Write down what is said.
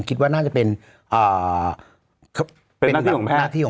คิดว่าน่าจะเป็นน่าที่ของแพทย์